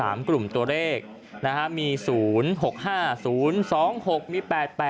มันมีอยู่๓กลุ่มตัวเลขมี๐๖๕๐๒๖มี๘๘